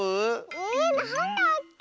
えなんだっけ？